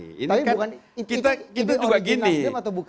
tapi bukan ide origin nasdem atau bukan